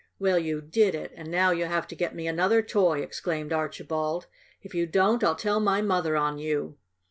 "Well, you did it; and now you have to get me another toy!" exclaimed Archibald. "If you don't I'll tell my mother on you."